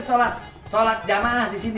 sholat jamaah di sini